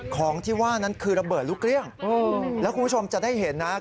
ของที่ว่านั้นคือระเบิดลูกเกลี้ยงแล้วคุณผู้ชมจะได้เห็นนะครับ